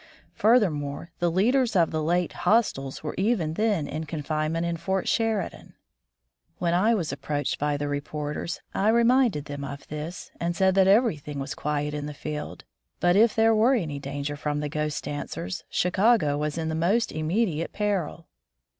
Fur thermore, the leaders of the late "hostiles" were even then in confinement in Fort Sheridan. When I was approached by the reporters, I reminded them of this, and said that everything was quiet in the field, but if there were any danger from the ghost dancers, Chicago was in the most immediate peril!